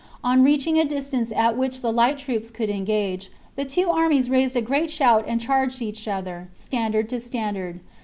On reaching a distance at which the light troops could engage, the two armies raised a great shout and charged each other, standard to stan dard.